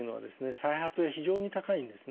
再発が非常に高いんですね。